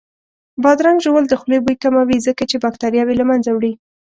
بادرنګ ژوول د خولې بوی کموي ځکه چې باکتریاوې له منځه وړي